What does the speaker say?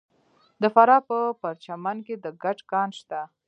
د فراه په پرچمن کې د ګچ کان شته.